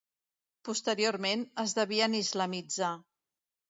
Posteriorment es devien islamitzar.